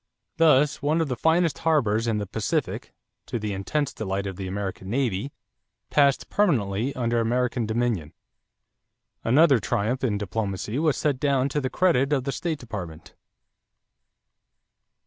Thus one of the finest harbors in the Pacific, to the intense delight of the American navy, passed permanently under American dominion. Another triumph in diplomacy was set down to the credit of the State Department.